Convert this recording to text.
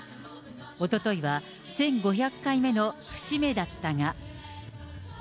おとといは１５００回目の節目だったが。